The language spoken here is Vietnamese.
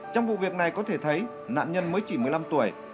trong vụ việc này có thể thấy nạn nhân mới chỉ một mươi năm tuổi